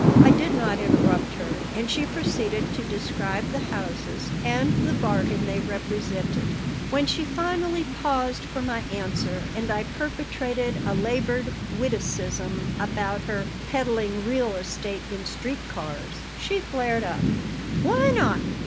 I did not interrupt her and she proceeded to describe the houses and the bargain they represented When she finally paused for my answer and I perpetrated a labored witticism about her "peddling real estate in street cars" she flared up: "Why not?